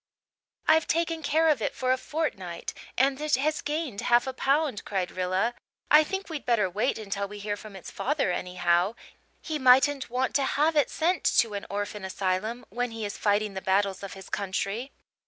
"I've taken care of it for a fortnight and it has gained half a pound," cried Rilla. "I think we'd better wait until we hear from its father anyhow. He mightn't want to have it sent to an orphan asylum, when he is fighting the battles of his country."